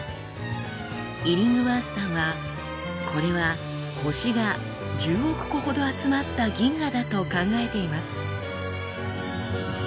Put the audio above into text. イリングワースさんはこれは星が１０億個ほど集まった銀河だと考えています。